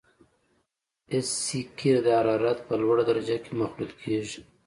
اس سي قیر د حرارت په لوړه درجه کې مخلوط کیږي